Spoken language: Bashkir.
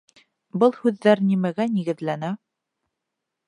Был һүҙҙәр нимәгә нигеҙләнә?